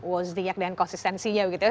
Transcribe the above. wozniacki dan konsistensinya begitu